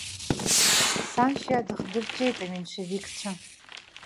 Саншьа дыхдырҵәеит аменшевикцәа.